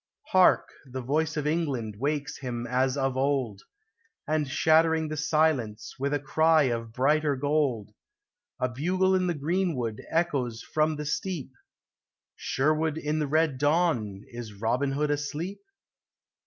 Hark, the voice of England wakes him as of old, And, shattering the silence with a cry of brighter gold, A bugle in the greenwood echoes from the steep, Sherwood in the red dawn, is Robin Hood asleep